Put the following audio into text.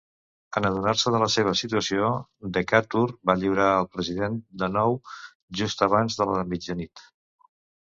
En adonar-se de la seva situació, Decatur va lliurar el "President" de nou, just abans de la mitjanit.